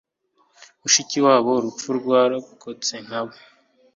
mushikiwabo urupfu rwarokotse nka we